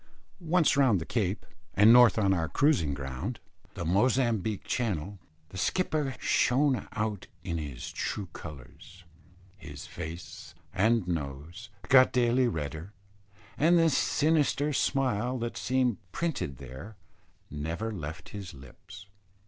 Once round the Cape, and north on our cruising ground the Mozambique Channel, the skipper shone out in his true colours. His face and nose got daily redder; and the sinister smile that seemed printed there never left his lips.